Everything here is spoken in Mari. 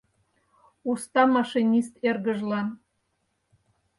Уста машинист эргыжлан